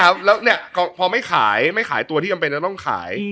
พอไม่หาตัวที่คำนาจต้องกัดสามารถขาย